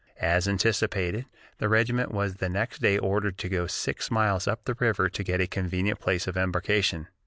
As anticipated, the regiment was the next day ordered to go six miles up the river to get a convenient place of embarkation.